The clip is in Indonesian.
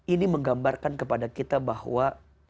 ini menggambarkan kepada kita bahwa